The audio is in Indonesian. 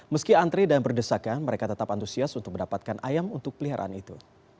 meski antri dan berdesakan mereka tetap antusias untuk mendapatkan ayam untuk peliharaan itu